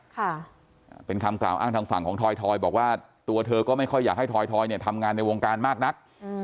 ค่ะเป็นคำกล่าวอ้างทางฝั่งของทอยทอยบอกว่าตัวเธอก็ไม่ค่อยอยากให้ทอยทอยเนี่ยทำงานในวงการมากนักอืม